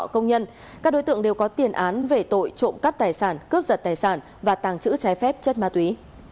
các đối tượng đều có tiền án về tội trộm cắp tài sản cướp giật tài sản và tàng trữ trái phép chất ma túy